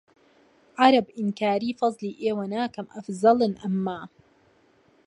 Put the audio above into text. عەرەب ئینکاری فەزڵی ئێوە ناکەم ئەفزەلن ئەمما